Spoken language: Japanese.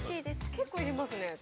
◆結構入れますね。